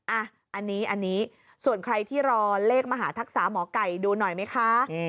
อันนี้อันนี้ส่วนใครที่รอเลขมหาทักษะหมอไก่ดูหน่อยไหมคะ